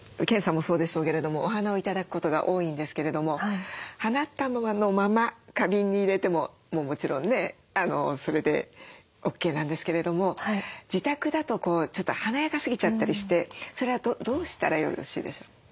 研さんもそうでしょうけれどもお花を頂くことが多いんですけれども花束のまま花瓶に入れてももちろんねそれでＯＫなんですけれども自宅だとちょっと華やかすぎちゃったりしてそれはどうしたらよろしいでしょう？